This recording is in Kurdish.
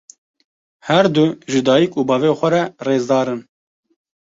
Her du ji dayîk û bavê xwe re rêzdar in.